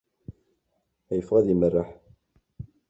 Iffeɣ ad imerreḥ.